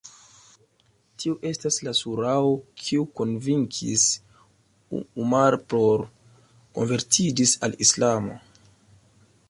Tiu estas la Surao kiu konvinkis Umar por konvertiĝis al Islamo.